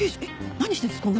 何してるんです？